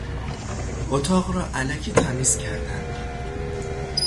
اتاق را الکی تمیز کردند.